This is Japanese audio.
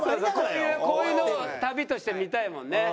こういうのを旅として見たいもんね。